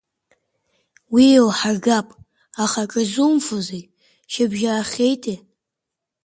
Уи еилҳаргап, аха акырзумфозеи, шьыбжьаахьеитеи?